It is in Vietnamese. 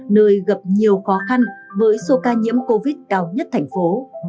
nơi gặp nhiều khó khăn với số ca nhiễm covid cao nhất thành phố